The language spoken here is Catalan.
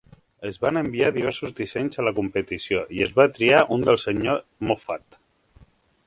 Es van enviar diversos dissenys a la competició i es va triar un del Sr. Moffat.